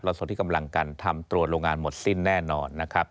เราต้องที่กำลังการทำตรวจโรงงานหมดสิ้นแน่นอนนะครับ